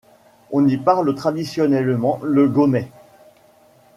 On y parle traditionnellement le gaumais.